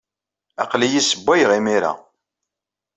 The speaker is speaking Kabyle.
Aql-iyi ssewwayeɣ imir-a.